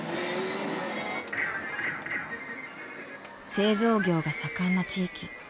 製造業が盛んな地域。